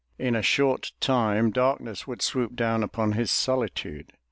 In a short time darkness would swoop down upon his solitude.